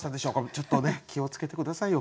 ちょっとね気を付けて下さいよ